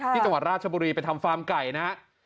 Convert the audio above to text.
ที่จังหวัดราชบุรีไปทำฟาร์มไก่นะฮะ